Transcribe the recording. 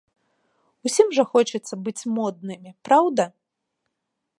Усім жа хочацца быць моднымі, праўда?